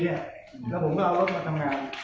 แล้วผมก็เอารถมาทำงาน